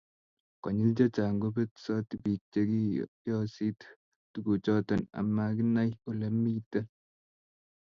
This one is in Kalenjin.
konyil chechang kobetsot biik chegiyoogiis tuguchoto amaginae olemito